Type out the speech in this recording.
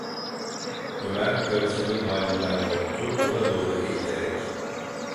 Ömer karısının halinden korktu, ona doğru eğilerek: